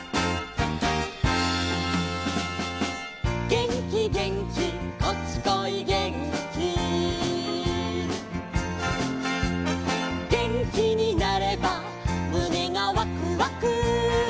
「げんきげんきこっちこいげんき」「げんきになればむねがワクワク」